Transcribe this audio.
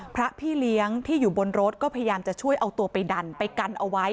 พระพี่เลี้ยงที่อยู่บนรถก็พยายามจะช่วยเอาตัวไปดันไปกันเอาไว้